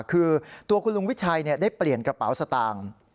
คือตัวคุณลุงวิชัยได้เปลี่ยนกระเป๋าสตางค์